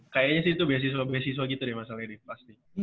kayaknya sih itu beasiswa beasiswa gitu ya masalahnya di plastik